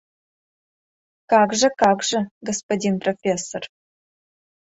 Как же, как же, господин профессор!